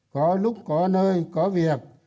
có lúc có nơi có việc